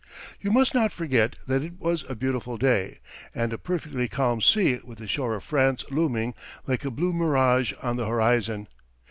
You must not forget that it was a beautiful day and a perfectly calm sea with the shore of France looming like a blue mirage on the horizon.